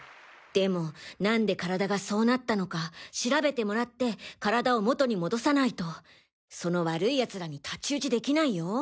でも何で体がそうなったのか調べてもらって体を元に戻さないとその悪い奴らに太刀打ちできないよ。